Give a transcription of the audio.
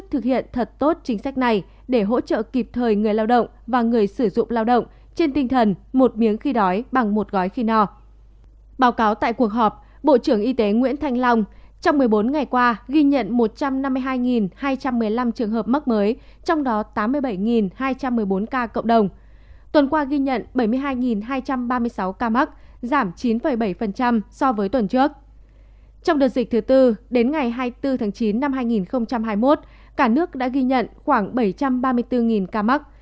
trong đợt dịch thứ tư đến ngày hai mươi bốn tháng chín năm hai nghìn hai mươi một cả nước đã ghi nhận khoảng bảy trăm ba mươi bốn ca mắc